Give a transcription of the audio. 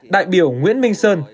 đại biểu nguyễn minh sơn